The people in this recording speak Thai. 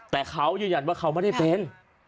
แต่เขายืนยันว่าเขาไม่ได้เป็น